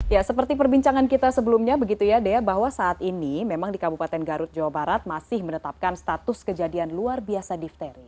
ya seperti perbincangan kita sebelumnya begitu ya dea bahwa saat ini memang di kabupaten garut jawa barat masih menetapkan status kejadian luar biasa difteri